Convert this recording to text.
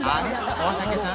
大竹さん